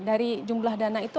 dari jumlah dana itu